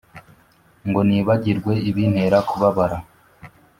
ngo nibagirwe ibintera kubabara